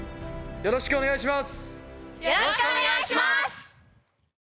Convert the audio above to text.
よろしくお願いします！